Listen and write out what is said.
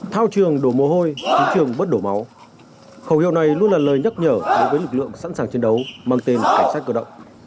thao trường đổ mồ hôi chiến trường bớt đổ máu khẩu hiệu này luôn là lời nhắc nhở đối với lực lượng sẵn sàng chiến đấu mang tên cảnh sát cơ động